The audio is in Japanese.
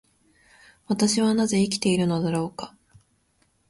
私はなぜ生きているのだろうか。